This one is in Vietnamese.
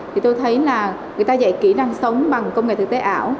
thì tôi thấy là người ta dạy kỹ năng sống bằng công nghệ thực tế ảo